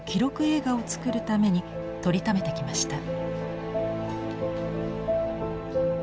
映画を作るために撮りためてきました。